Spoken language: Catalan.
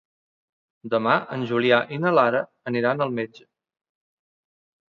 Demà en Julià i na Lara aniran al metge.